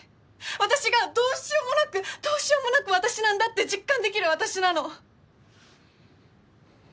私がどうしようもなくどうしようもなく私なんだって実感できる私なの。